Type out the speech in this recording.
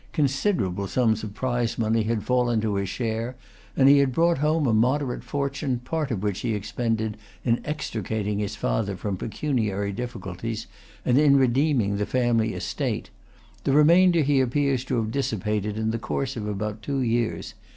Considerable sums of prize money had fallen to his share; and he had brought home a moderate fortune, part of which he expended in extricating his father from pecuniary difficulties, and in redeeming the family estate. The remainder he appears to have dissipated in the course of about two years.